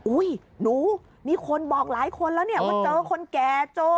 หนูมีคนบอกหลายคนแล้วเนี่ยว่าเจอคนแก่เจอ